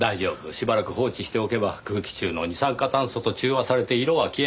しばらく放置しておけば空気中の二酸化炭素と中和されて色は消えます。